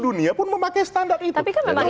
dunia pun memakai standar itu kan memang